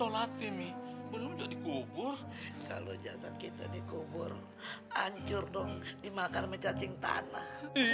mati mi belum jadi kubur kalau jasad kita dikubur hancur dong dimakan mecacing tanah